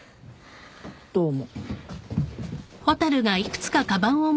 どうも。